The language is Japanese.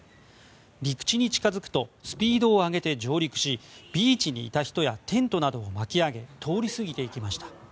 陸地に近付くとスピードを上げて上陸し、ビーチにいた人やテントなどを巻き上げ通り過ぎていきました。